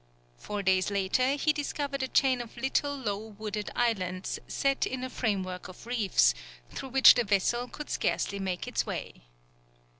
Four days later he discovered a chain of little low wooded islands set in a framework of reefs, through which the vessel could scarcely make its way.